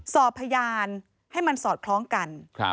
สอบพยานให้มันสอดคล้องกัน